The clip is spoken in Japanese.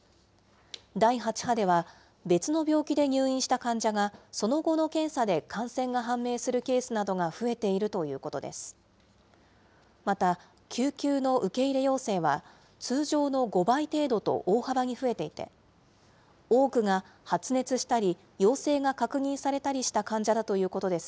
第８波では、別の病気で入院した患者が、その後の検査で感染が判明するケースなどが増えているということです。